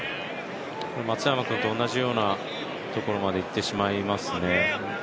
松山君と同じようなところまで行ってしまいますね。